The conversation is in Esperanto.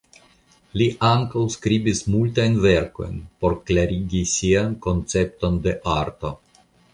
Li ankaŭ skribis multajn verkojn por klarigi sian koncepton de arto.